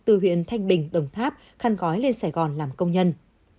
từ huyện thanh bình đồng tháp khăn gói lên sài gòn làm công nhân